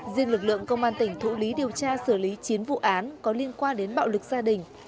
riêng lực lượng công an tỉnh thụ lý điều tra xử lý chín vụ án có liên quan đến bạo lực gia đình